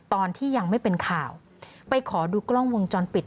ตอนที่ยังไม่เป็นข่าวไปขอดูกล้องวงจรปิด